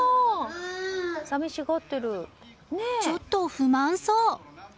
ちょっと不満そう。